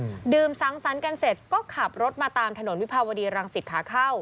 อืมดื่มสังสรรค์กันเสร็จก็ขับรถมาตามถนนวิภาวดีรังสิตขาเข้า